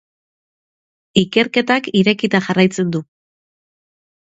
Ikerketak irekita jarraitzen du.